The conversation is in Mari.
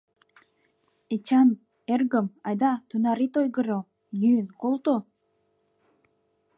Эчан эргым, айда тунар ит ойгыро, йӱын колто.